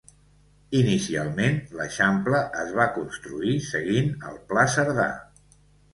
Inicialment, l'Eixample es va construir seguint el Pla Cerdà.